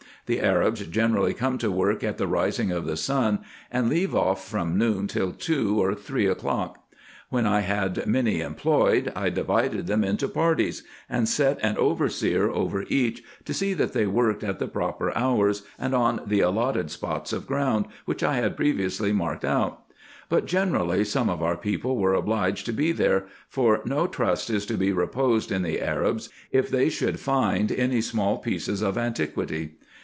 The Arabs generally come to work at the rising of the sun, and leave off from noon till two or three o'clock. When I had many employed, I divided them into parties, and set an overseer over each, to see that they worked at the proper hours, and on the allotted spots of ground, which I had previously marked out ; but generally some of our people were obliged to be there, for no trust is to be reposed in the Arabs, if they should find any small pieces of antiquity.